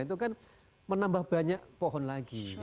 itu kan menambah banyak pohon lagi